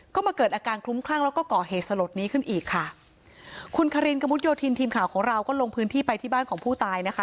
ก็มาเกิดอาการคลุ้มคลั่งแล้วก็ก่อเหตุสลดนี้ขึ้นอีกค่ะคุณคารินกระมุดโยธินทีมข่าวของเราก็ลงพื้นที่ไปที่บ้านของผู้ตายนะคะ